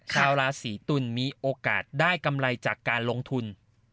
ชาวราศีตุลมีโอกาสได้กำไรจากการลงทุน